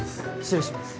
失礼します